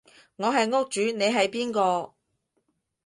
我係屋主你係邊個？